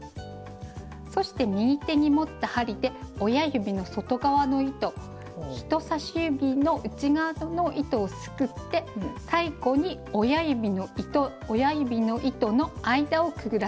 そして右手に持った針で親指の外側の糸人さし指の内側の糸をすくって最後に親指の糸の間をくぐらせます。